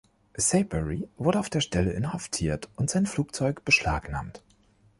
Saibory wurde auf der Stelle inhaftiert und sein Flugzeug beschlagnahmt.